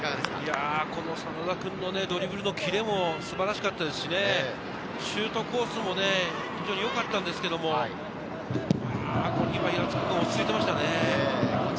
この真田君のドリブルのキレも素晴らしかったですし、シュートコースもよかったんですけど、平塚君が落ち着いていましたね。